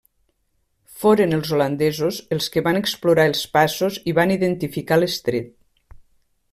Foren els holandesos els que van explorar els passos i van identificar l'estret.